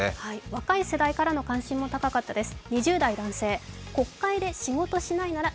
若い世代からの関心も高かったです。